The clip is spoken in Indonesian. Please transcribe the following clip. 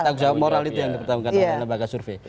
tanggung jawab moral itu yang dipertanggungkan oleh lembaga survei